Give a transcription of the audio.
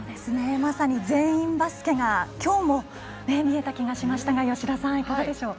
まさに全員バスケがきょうも見えた気がしましたが吉田さん、いかがでしょう？